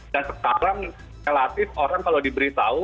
sekarang relatif orang kalau diberitahu